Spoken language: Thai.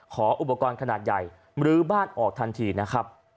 ขออุปกรณ์ขนาดใหญ่มรื้อบ้านออกทันทีนะครับ